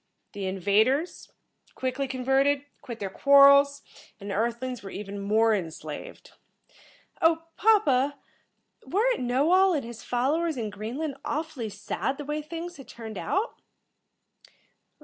The invaders, quickly converted, quit their quarrels, and the Earth lings were even more enslaved." "Oh, papa, weren't Knowall and his followers in Greenland awfully sad the way things had turned out?"